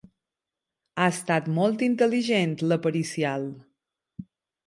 Ha estat molt intel·ligent, la pericial.